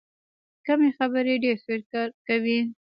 کمې خبرې، ډېر فکر کوي.